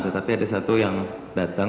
tetapi ada satu yang datang